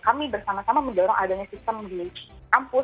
kami bersama sama mendorong adanya sistem di kampus